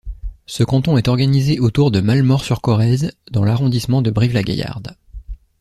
Ce canton est organisé autour de Malemort-sur-Corrèze dans l'arrondissement de Brive-la-Gaillarde.